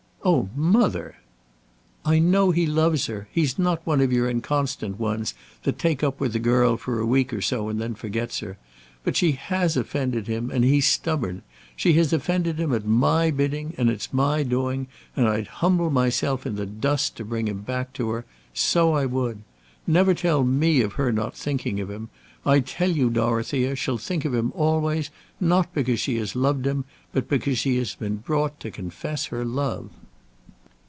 "Oh, mother!" "I know he loves her. He's not one of your inconstant ones that take up with a girl for a week or so and then forgets her. But she has offended him, and he's stubborn. She has offended him at my bidding, and it's my doing; and I'd humble myself in the dust to bring him back to her; so I would. Never tell me of her not thinking of him. I tell you, Dorothea, she'll think of him always not because she has loved him, but because she has been brought to confess her love."